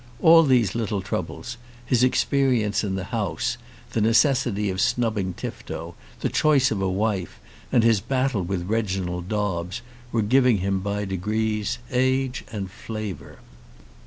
All these little troubles, his experience in the "House," the necessity of snubbing Tifto, the choice of a wife, and his battle with Reginald Dobbes, were giving him by degrees age and flavour.